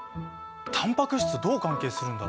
タンパク質とどう関係するんだろう？